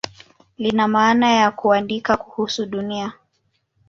Lina maana ya "kuandika kuhusu Dunia".